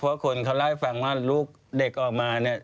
เพราะคนเขาเล่าให้ฟังว่าลูกเด็กออกมาเนี่ย